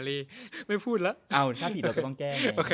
ต้องพูดว่าอะไรวะ